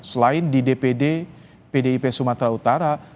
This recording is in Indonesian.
selain di dpd pdip sumatera utara